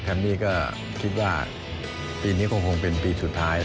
แคมนี่ก็คิดว่าปีนี้คงเป็นปีสุดท้าย